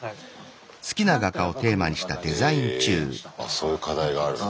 そういう課題があるんだ。